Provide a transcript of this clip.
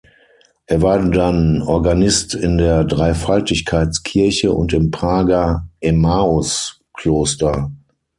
Er war dann Organist in der Dreifaltigkeitskirche und im Prager Emaus-Kloster.